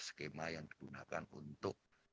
skema yang digunakan untuk